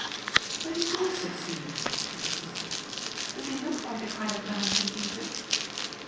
"But he will succeed," she persisted. "Does he look like the kind of man to be beaten?"